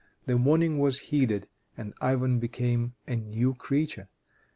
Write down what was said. The warning was heeded, and Ivan became "a new creature."